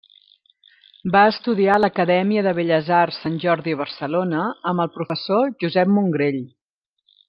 Va estudiar a l'Acadèmia de Belles Arts Sant Jordi Barcelona amb el professor Josep Mongrell.